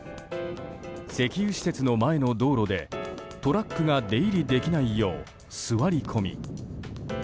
石油施設前の道路でトラックが出入りできないよう座り込み。